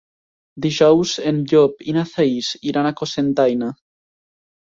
Dijous en Llop i na Thaís iran a Cocentaina.